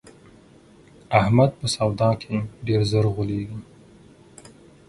احمد په سودا کې ډېر زر غولېږي.